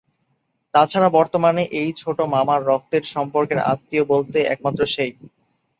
তাছাড়া বর্তমানে এই ছোট মামার রক্তের সম্পর্কের আত্মীয় বলতে একমাত্র সেই।